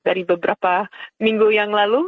dari beberapa minggu yang lalu